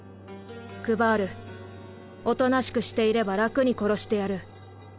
クヴァールおとなしくしていれば楽に殺してやる。